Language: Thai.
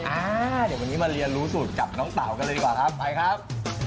อ่าเดี๋ยววันนี้มาเรียนรู้สูตรจับน้องเต๋ากันเลยดีกว่าครับไปครับ